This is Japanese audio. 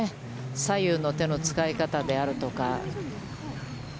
左右の手の使い方であるとか。